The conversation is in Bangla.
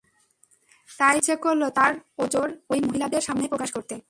তাই সে ইচ্ছে করল তার ওযর ঐ মহিলাদের সামনে প্রকাশ করতে।